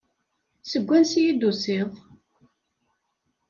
Seg wansi i d-tusiḍ?